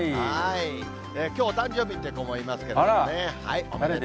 きょう、お誕生日って子もいますけどね。